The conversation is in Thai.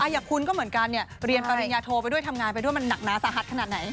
อย่างคุณก็เหมือนกันเรียนปริญญาโทไปด้วยทำงานไปด้วยมันหนักหนาสาหัสขนาดไหน